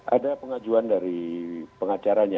ada pengajuan dari pengacaranya